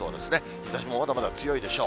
日ざしもまだまだ強いでしょう。